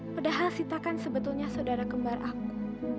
padahal sita kan sebetulnya saudara kembar aku